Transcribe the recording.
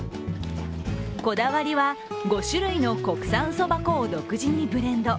こだわりは５種類の国産そば粉を独自にブレンド。